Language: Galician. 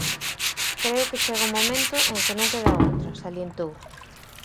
"Creo que chega un momento en que non queda outra", salientou.